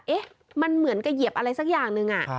เอ๊ะมันเหมือนกับเหยียบอะไรสักอย่างหนึ่ง